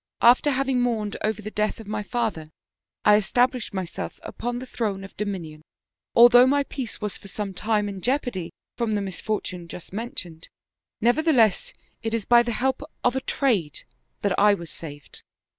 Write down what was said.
After having mourned over the death of my father I established myself upon the throne of dominion. Although my peace was for some time in jeopardy from the misfortune just men tioned, nevertheless it is by the help of a trade that I was saved.